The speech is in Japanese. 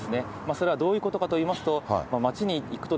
それはどういうことかといいますと、街に行くと、